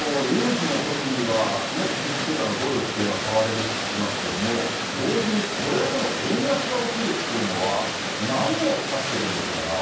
有事のときには基軸通貨のドルっていうのが買われるって聞きますけれども、同時にこれだけの円安が起きるっていうのは、何を指してるんでしょうか？